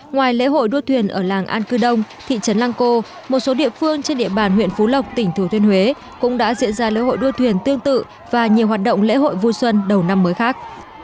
ngoài lễ hội đua thuyền ở làng an cư đông thị trấn lăng cô một số địa phương trên địa bàn huyện phú lộc tỉnh thừa thiên huế cũng đã diễn ra lễ hội đua thuyền tương tự và nhiều hoạt động lễ hội vui xuân đầu năm mới khác